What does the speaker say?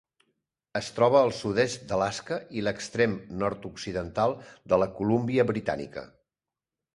Es troba al sud-est d'Alaska i l'extrem nord-occidental de la Colúmbia Britànica.